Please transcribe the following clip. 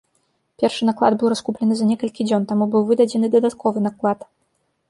Першы наклад быў раскуплены за некалькі дзён, таму быў выдадзены дадатковы наклад.